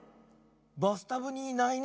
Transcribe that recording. バスタブにいないね。